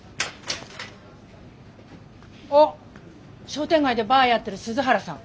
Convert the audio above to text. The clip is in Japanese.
商店街でバーやってる鈴原さん。